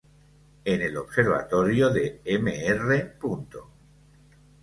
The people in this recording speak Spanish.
En el observatorio de Mr.